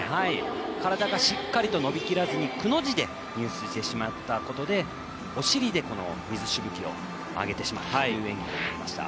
体がしっかりと伸びきらずにくの字で入水してしまったことでお尻で水しぶきを上げてしまった演技になりました。